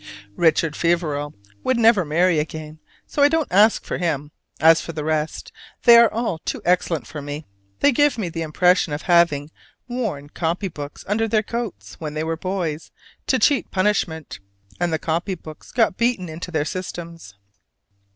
Richard Feverel would never marry again, so I don't ask for him: as for the rest, they are all too excellent for me. They give me the impression of having worn copy books under their coats, when they were boys, to cheat punishment: and the copy books got beaten into their systems.